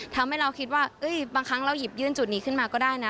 ทำให้เราคิดว่าบางครั้งเราหยิบยื่นจุดนี้ขึ้นมาก็ได้นะ